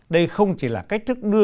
đây không chỉ là cách thức đưa